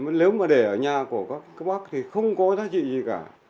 mà nếu mà để ở nhà của các bác thì không có giá trị gì cả